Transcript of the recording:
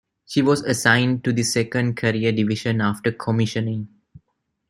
She was assigned to the Second Carrier Division after commissioning.